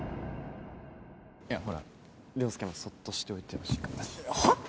いやほら良介もそっとしておいてほしいかもだしはっ？